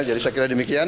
jadi saya kira demikian